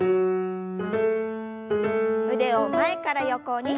腕を前から横に。